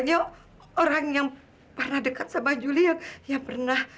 bukat gini sebagai teman bodoh